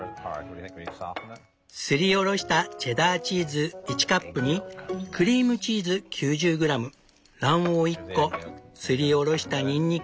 すりおろしたチェダーチーズ１カップにクリームチーズ９０グラム卵黄１個すりおろしたにんにく